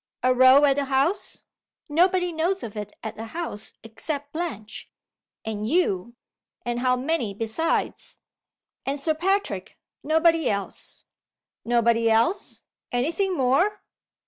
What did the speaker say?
"A row at the house?" "Nobody knows of it at the house, except Blanche " "And you? And how many besides?" "And Sir Patrick. Nobody else." "Nobody else? Any thing more?"